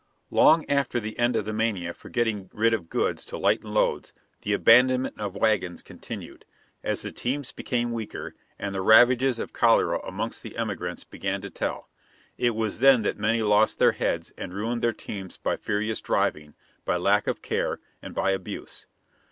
Long after the end of the mania for getting rid of goods to lighten loads, the abandonment of wagons continued, as the teams became weaker and the ravages of cholera among the emigrants began to tell. It was then that many lost their heads and ruined their teams by furious driving, by lack of care, and by abuse.